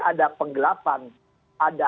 ada penggelapan ada